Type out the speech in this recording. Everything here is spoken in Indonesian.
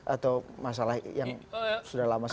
atau masalah yang sudah lama sekali